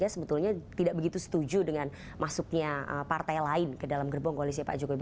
sebetulnya tidak begitu setuju dengan masuknya partai lain ke dalam gerbong koalisi pak jokowi